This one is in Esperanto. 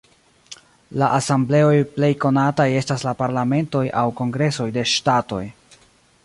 La asembleoj plej konataj estas la parlamentoj aŭ kongresoj de ŝtatoj.